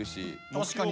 確かに。